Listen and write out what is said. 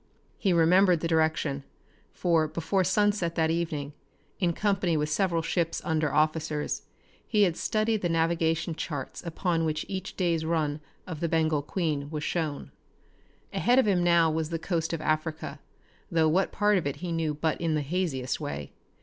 He remembered the direction, for before sunset that evening, in company with several ship's under officers, he had studied the navigation charts upon which each day's run of the Bengal Queen was shown. Ahead of him now was the coast of Africa, though what part of it he knew but in the haziest way.